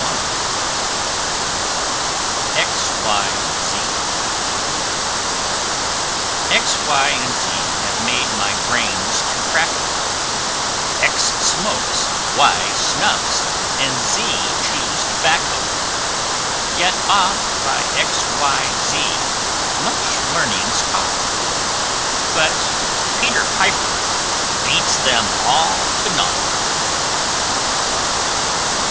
XYZ xyz [Illustration: X Y and Z] X Y and Z have made my brains to crack o: X smokes, Y snuffs, and Z chews tobacco; Yet oft by X Y Z much learning's taught, But PETER PIPER, beats them all to naught.